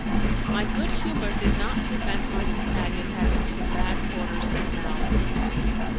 My good humour did not prevent my companion having some bad quarters of an hour.